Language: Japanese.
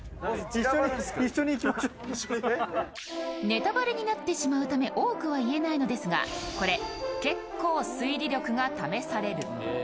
ネタバレになってしまうので、多くは言えないのですが、これ、結構推理力が試される。